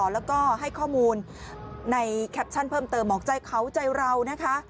แล้วก็ให้ข้อมูลในแคปชั่นเพิ่มเติมบอกใจเขาใจเรานะคะ